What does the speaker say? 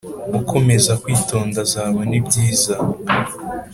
ukomeza kwitonda azabona ibyiza